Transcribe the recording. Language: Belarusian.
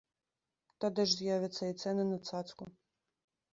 Тады ж з'явяцца і цэны на цацку.